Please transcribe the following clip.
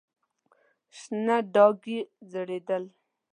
شنه ډکي ځړېدل.